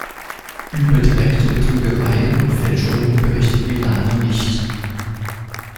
Über direkte Betrügereien und Fälschungen berichtet Villani nicht.